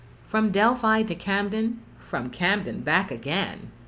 II. From Delphi to Camden from Camden back again!